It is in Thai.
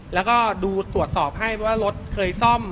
แล้วก็ดูตรวจสอบให้ว่ารถเคยซ่อม